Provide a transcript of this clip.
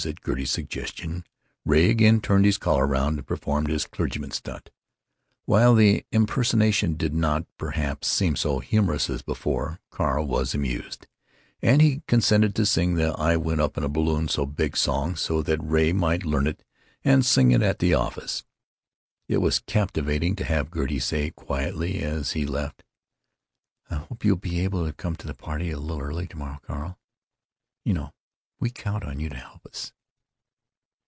At Gertie's suggestion, Ray again turned his collar round and performed his "clergyman stunt." While the impersonation did not, perhaps, seem so humorous as before, Carl was amused; and he consented to sing the "I went up in a balloon so big" song, so that Ray might learn it and sing it at the office. It was captivating to have Gertie say, quietly, as he left: "I hope you'll be able to come to the party a little early to morrow, Carl. You know we count on you to help us."